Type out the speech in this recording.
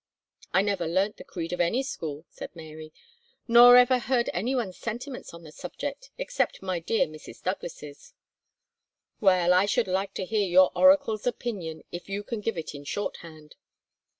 "I never learnt the creed of any school," said Mary, "nor ever heard anyone's sentiments on the subject, except my dear Mrs. Douglas's." "Well, I should like to hear your oracle's opinion, if you can give it in shorthand."